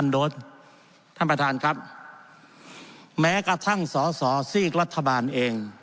โดสท่านประธานครับแม้กระทั่งสอสอซีกรัฐบาลเอง